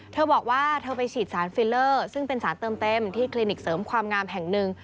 เธอบอกว่าเธอไปฉีดสารฟิลเลอร์ซึ่งเป็นสารเติมเต็มที่คลินิกเสริมความงามแห่งหนึ่ง